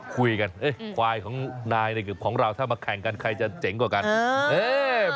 คุยกันควายของนายของเราถ้ามาแข่งกันใครจะเจ๋งกว่ากัน